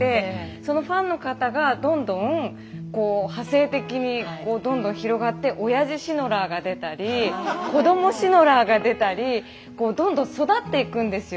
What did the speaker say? そのファンの方がどんどん派生的にどんどん広がっておやじシノラーが出たり子どもシノラーが出たりどんどん育っていくんですよ。